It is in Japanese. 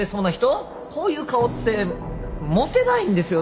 こういう顔ってモテないんですよね。